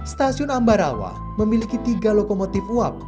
stasiun ambarawa memiliki tiga lokomotif uap